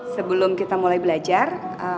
sebelum kita mulai belajar